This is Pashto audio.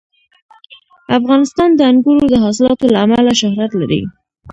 افغانستان د انګورو د حاصلاتو له امله شهرت لري.